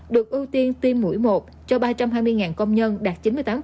được ưu tiên tiêm mũi một cho ba trăm hai mươi công nhân đạt chín mươi tám